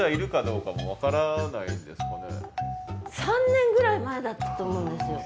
３年ぐらい前だったと思うんですよ。